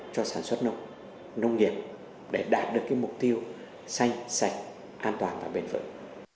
cho sản xuất nông nghiệp để đạt được cái mục tiêu xanh sạch an toàn và bền vững